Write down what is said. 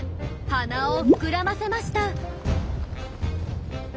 鼻を膨らませました。